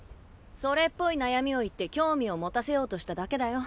それっぽい悩みを言って興味を持たせようとしただけだよ。